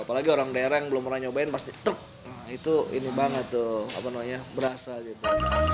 apalagi orang daerah yang belum pernah nyobain pasti itu ini banget tuh apa namanya berasa gitu